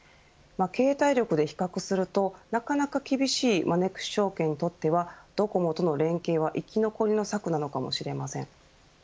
経営体力で比較するとなかなか厳しいマネックス証券にとってはドコモとの連携は、生き残りの策なのかもしれません。